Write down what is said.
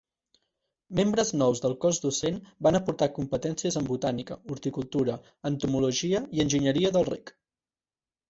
Membres nous del cos docent van aportar competències en botànica, horticultura, entomologia i enginyeria del reg.